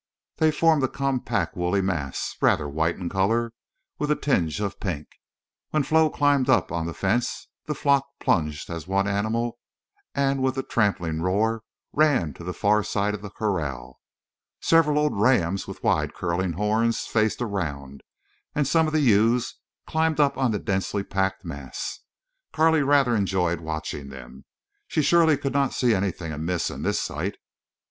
They formed a compact woolly mass, rather white in color, with a tinge of pink. When Flo climbed up on the fence the flock plunged as one animal and with a trampling roar ran to the far side of the corral. Several old rams with wide curling horns faced around; and some of the ewes climbed up on the densely packed mass. Carley rather enjoyed watching them. She surely could not see anything amiss in this sight.